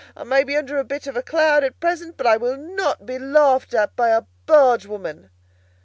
I may be under a bit of a cloud at present, but I will not be laughed at by a bargewoman!"